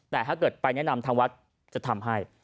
แต่ถ้าเกิดไปแนะนำทางวัดจะทำให้